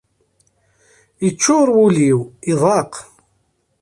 Iččur wul-iw, iḍaq.